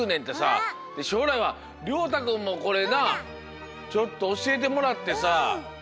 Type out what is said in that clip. でしょうらいはりょうたくんもこれなちょっとおしえてもらってさ。